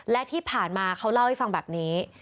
และที่ผ่านมาเขาเล่าให้ฟังแบบนี้